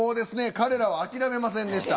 彼らは諦めませんでした。